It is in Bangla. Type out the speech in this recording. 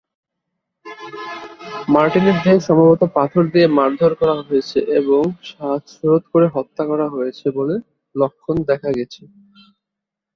মার্টিনের দেহে সম্ভবত পাথর দিয়ে মারধর করা হয়েছে এবং শ্বাসরোধ করে হত্যা করা হয়েছে বলে লক্ষণ দেখা গেছে।